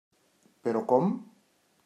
Però, com?